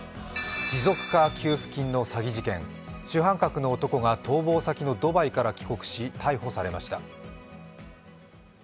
持続化給付金の詐欺事件主犯格の男が逃亡先のドバイから帰国し逮捕されました。